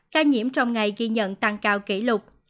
ca nhiễm trong ngày ghi nhận tăng cao kỷ lục